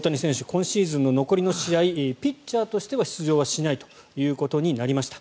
今シーズンの残りの試合ピッチャーとしては出場はしないということになりました。